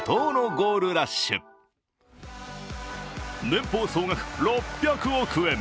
年俸総額６００億円。